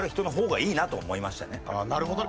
なるほどね。